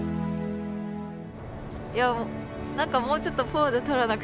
いや何かもうちょっとポーズ取らなくていいの？